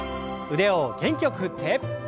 腕を元気よく振って。